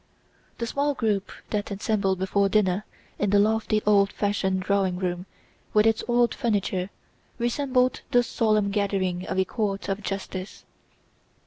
The small group that assembled before dinner in the lofty old fashioned drawing room with its old furniture resembled the solemn gathering of a court of justice.